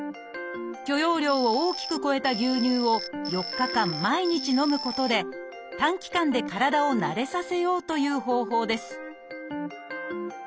許容量を大きく超えた牛乳を４日間毎日飲むことで短期間で体を慣れさせようという方法です